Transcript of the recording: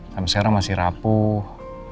sampai sekarang masih rapuh